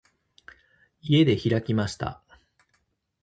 家で開きました。